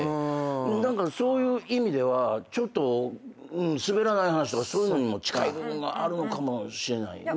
何かそういう意味ではすべらない話とかそういうのにも近い部分はあるのかもしれないよね。